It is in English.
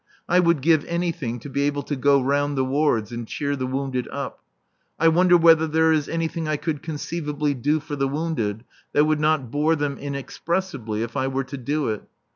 I would give anything to be able to go round the wards and cheer the wounded up. I wonder whether there is anything I could conceivably do for the wounded that would not bore them inexpressibly if I were to do it.